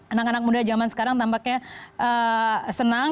anak anak muda zaman sekarang tampaknya senang